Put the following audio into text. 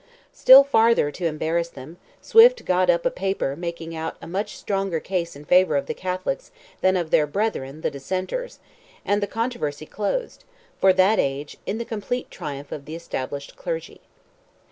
Still farther to embarrass them, Swift got up a paper making out a much stronger case in favour of the Catholics than of "their brethren, the Dissenters," and the controversy closed, for that age, in the complete triumph of the established clergy.